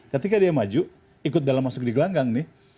ketika dia maju ikut dalam masuk di gelanggang nih